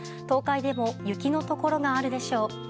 東海でも雪のところがあるでしょう。